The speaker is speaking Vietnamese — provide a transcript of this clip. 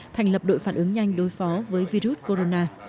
thành lập đội phản ứng nhanh đối phó với virus corona